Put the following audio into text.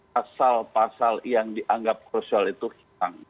pasal pasal yang dianggap krusial itu hilang